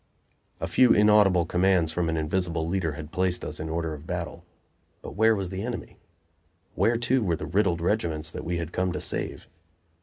A few inaudible commands from an invisible leader had placed us in order of battle. But where was the enemy? Where, too, were the riddled regiments that we had come to save?